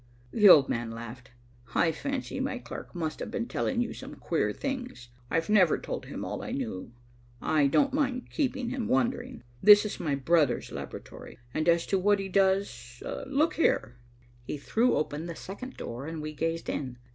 The old man laughed. "I fancy my clerk must have been telling you some queer things. I've never told him all I knew. I don't mind keeping him wondering. This is my brother's laboratory, and as to what he does, look here!" He threw open the second door and we gazed in.